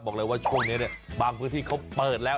บอกเลยว่าช่วงนี้เนี่ยบางพื้นที่เขาเปิดแล้ว